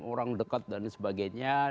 orang dekat dan sebagainya